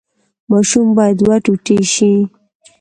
ماشوم باید دوه ټوټې شي.